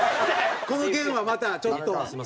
この件はまたちょっと。